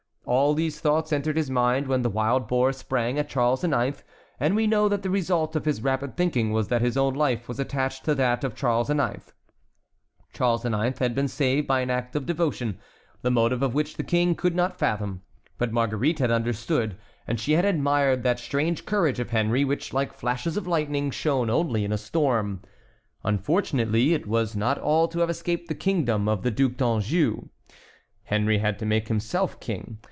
All these thoughts entered his mind when the wild boar sprang at Charles IX., and we know that the result of his rapid thinking was that his own life was attached to that of Charles IX. Charles IX. had been saved by an act of devotion, the motive of which the King could not fathom. But Marguerite had understood, and she had admired that strange courage of Henry which, like flashes of lightning, shone only in a storm. Unfortunately it was not all to have escaped the kingdom of the Duc d'Anjou. Henry had to make himself king.